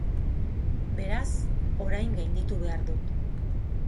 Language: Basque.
Beraz, orain gainditu behar dut.